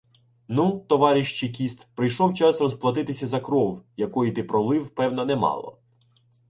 — Ну, товаріщ чекіст, прийшов час розплатитися за кров, якої ти пролив, певно, немало.